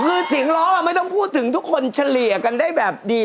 คือเสียงร้องไม่ต้องพูดถึงทุกคนเฉลี่ยกันได้แบบดี